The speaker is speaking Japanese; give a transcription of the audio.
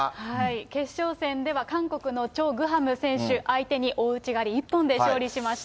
決勝戦では、韓国のチョ・グハム選手相手に大内刈り一本で勝利しました。